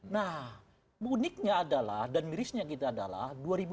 nah uniknya adalah dan mirisnya adalah